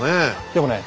でもね。